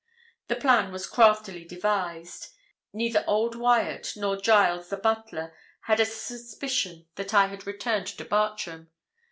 The plan was craftily devised. Neither old Wyat nor Giles, the butler, had a suspicion that I had returned to Bartram.